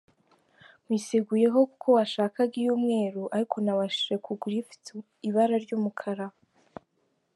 Nkwiseguyeho kuko washakaga iy’umweru ariko nabashije kugura ifite ibara ry’umukara.